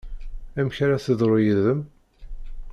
Amek ara teḍru yid-m?